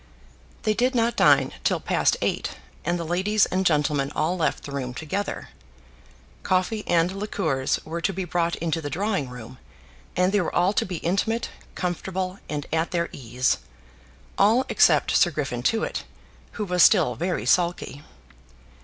They did not dine till past eight, and the ladies and gentlemen all left the room together. Coffee and liqueurs were to be brought into the drawing room, and they were all to be intimate, comfortable, and at their ease; all except Sir Griffin Tewett, who was still very sulky.